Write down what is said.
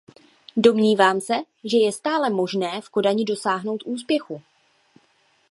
Domnívám se, že je stále možné v Kodani dosáhnout úspěchu.